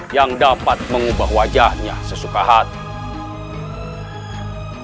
yang dapat mengubah wajahnya sesuka hati